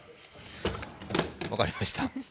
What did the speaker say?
分かりました。